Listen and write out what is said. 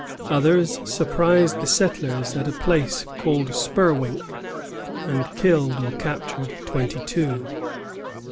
Others surprised the settlers at a place called Spurwink, and killed or captured twenty two.